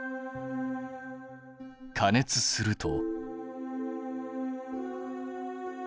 加熱すると。